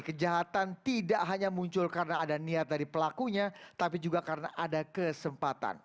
kejahatan tidak hanya muncul karena ada niat dari pelakunya tapi juga karena ada kesempatan